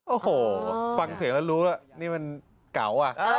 โอ้โหฟังเสียแล้วรู้นี่มันเก่า